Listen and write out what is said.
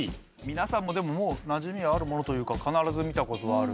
皆さんもでももうなじみがあるものというか必ず見た事はある。